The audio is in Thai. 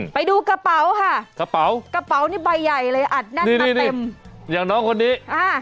ไปดูกระเป๋าค่ะกระเป๋านี่ใบใหญ่เลยอย่างเนาะคนดี